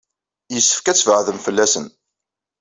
Yessefk ad tbeɛɛdem fell-asen.